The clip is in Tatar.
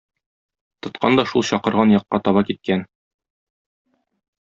Тоткан да шул чакырган якка таба киткән.